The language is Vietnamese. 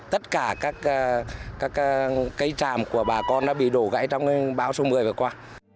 tất cả các cây tràm của bà con đã bị đổ gãy trong bão số một mươi vừa qua